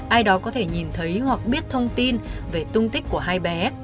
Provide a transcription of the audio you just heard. ai đó có thể nhìn thấy hoặc biết thông tin về tung tích của hai bé